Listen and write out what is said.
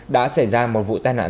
đã xảy ra một vụ tai nạn